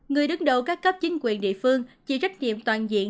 người đứng đầu các cấp chính quyền địa phương chịu trách nhiệm toàn diện